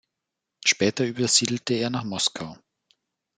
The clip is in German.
Später übersiedelte er nach Moskau.